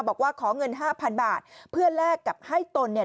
บอกว่าขอเงินห้าพันบาทเพื่อแลกกับให้ตนเนี่ย